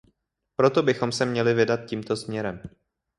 Proto bychom se měli vydat tímto směrem.